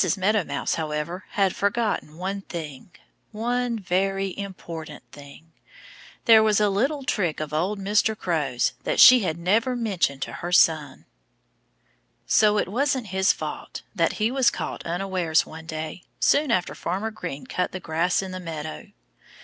Meadow Mouse, however, had forgotten one thing one very important thing. There was a little trick of old Mr. Crow's that she had never mentioned to her son. So it wasn't his fault that he was caught unawares one day, soon after Farmer Green cut the grass in the meadow.